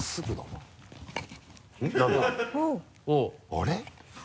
あれ？